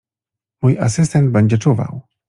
Mój asystent będzie czuwał.